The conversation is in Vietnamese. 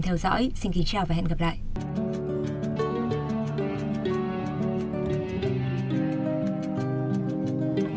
theo dõi xin kính chào và hẹn gặp lại ừ ừ